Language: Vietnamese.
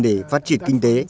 để phát triển kinh tế